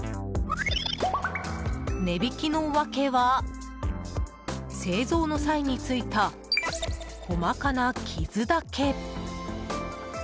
値引きの訳は製造の際についた細かな傷だけ。